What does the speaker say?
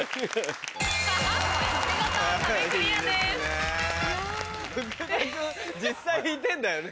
君実際弾いてんだよね？